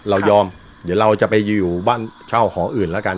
เรายอมเดี๋ยวเราจะไปอยู่บ้านเช่าหออื่นแล้วกัน